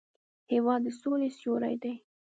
هېواد د سولې سیوری دی.